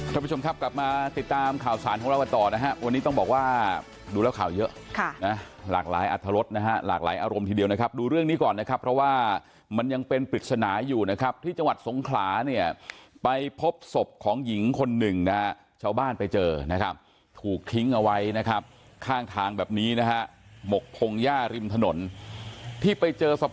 ท่านผู้ชมครับกลับมาติดตามข่าวสารของเรากันต่อนะฮะวันนี้ต้องบอกว่าดูแล้วข่าวเยอะค่ะนะหลากหลายอัตรรสนะฮะหลากหลายอารมณ์ทีเดียวนะครับดูเรื่องนี้ก่อนนะครับเพราะว่ามันยังเป็นปริศนาอยู่นะครับที่จังหวัดสงขลาเนี่ยไปพบศพของหญิงคนหนึ่งนะฮะชาวบ้านไปเจอนะครับถูกทิ้งเอาไว้นะครับข้างทางแบบนี้นะฮะหมกพงหญ้าริมถนนที่ไปเจอศพ